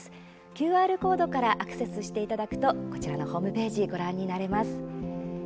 ＱＲコードからアクセスしていただくとこちらのホームページご覧になれます。